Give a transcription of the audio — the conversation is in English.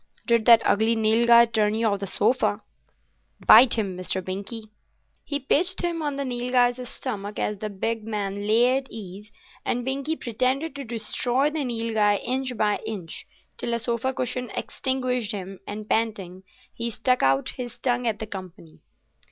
Did that ugly Nilghai turn you off the sofa? Bite him, Mr. Binkie." He pitched him on the Nilghai's stomach, as the big man lay at ease, and Binkie pretended to destroy the Nilghai inch by inch, till a sofa cushion extinguished him, and panting he stuck out his tongue at the company.